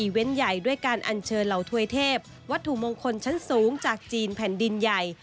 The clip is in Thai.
คนก็อยากจะอะไรที่มันทำให้เฮปปี้ขึ้นดีขึ้น